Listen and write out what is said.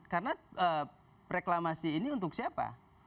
karena reklamasi ini untuk siapa